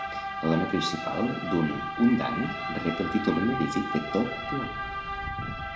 La dona principal d'un undang rep el títol honorífic de "to' puan".